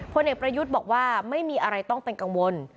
เด็กประยุทธ์บอกว่าไม่มีอะไรต้องเป็นกังวล